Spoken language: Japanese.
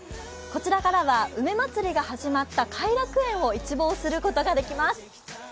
こちらからは、梅まつりが始まった偕楽園を一望することができます。